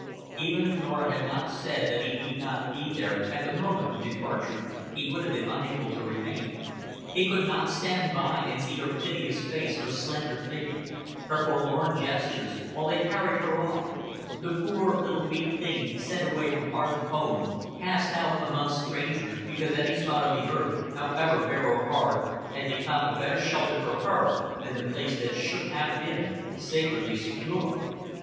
Even if Norah had not said that he need not be there at the moment of departure, he would have been unable to remain. He could not stand by and see her piteous face, her slender figure, her forlorn gestures, while they carried her off the poor little weak thing sent away from hearth and home, cast out among strangers because any spot on the earth, however bare or hard, had become a better shelter for her than the place that should have been sacredly secure.